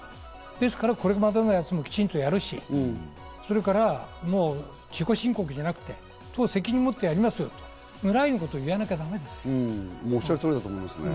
ですからこれまでのやつもきちんとやるし、それから自己申告じゃなくて、党が責任を持ってやりますよぐらいのことを言わなきゃね。